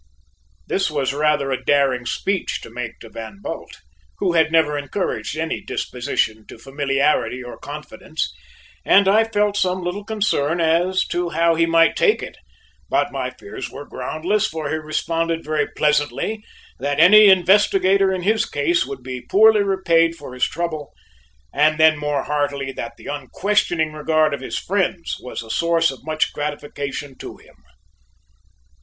This was rather a daring speech to make to Van Bult, who had never encouraged any disposition to familiarity or confidence, and I felt some little concern as to how he might take it, but my fears were groundless, for he responded very pleasantly, that any investigator in his case would be poorly repaid for his trouble, and then more heartily, that the unquestioning regard of his friends was a source of much gratification to him.